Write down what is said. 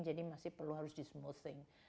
jadi masih perlu harus di smoothing